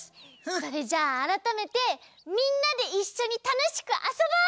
それじゃああらためてみんなでいっしょにたのしくあそぼう！